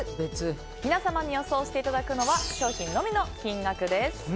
皆様に予想していただくのは商品のみの金額です。